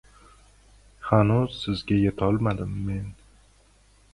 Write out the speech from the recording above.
Hanuz sizga yetolmadim men.